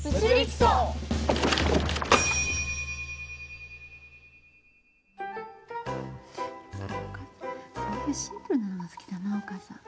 こういうシンプルなのが好きだなお母さん。